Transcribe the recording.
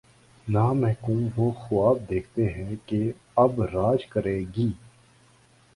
نہ محکوم وہ خواب دیکھتے ہیں کہ:''اب راج کرے گی۔